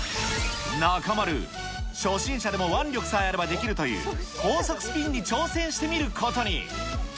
中丸、初心者でも腕力さえあればできるという、高速スピンに挑戦してみることに。